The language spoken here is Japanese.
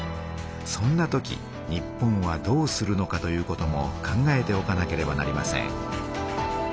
そんなとき日本はどうするのかということも考えておかなければなりません。